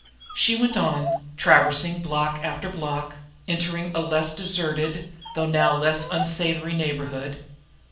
She went on, traversing block after block, entering a less deserted, though no less unsavory, neighborhood.